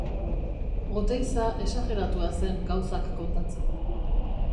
Oteiza esajeratua zen gauzak kontatzen.